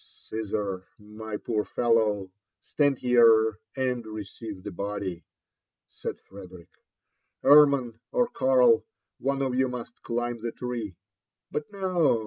" Caesar, my poor fellow, stand here and receive the body," said Frederick, " Hermann or Karl, one of you must climb the tree, fiut no